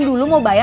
terima kasih ip